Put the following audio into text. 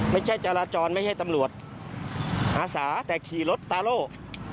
ไม่ใช่จราจรไม่ใช่ตำรวจอาสาแต่ขี่รถตาโล่